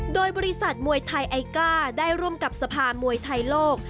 โดยบริษัทมวยไทยไอกล้าได้ร่วมกับสภามวยไทยโลก